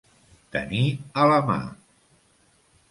Tenir a la mà.